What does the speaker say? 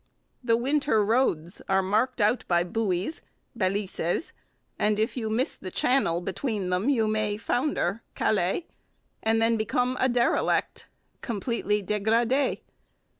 The winter roads are marked out by 'buoys' (balises), and if you miss the 'channel' between them you may 'founder' (caler) and then become a 'derelict' (completely dégradé).